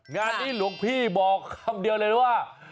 งานนี้หลวงพี่บอกคำเดียวเลยว่า